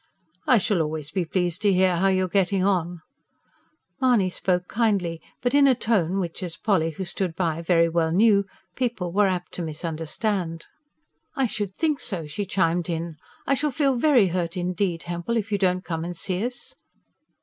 "I shall always be pleased to hear how you are getting on." Mahony spoke kindly, but in a tone which, as Polly who stood by, very well knew, people were apt to misunderstand. "I should think so!" she chimed in. "I shall feel very hurt indeed, Hempel, if you don't come and see us."